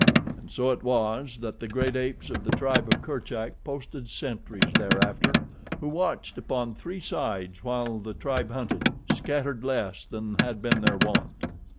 And so it was that the great apes of the tribe of Kerchak posted sentries thereafter, who watched upon three sides while the tribe hunted, scattered less than had been their wont.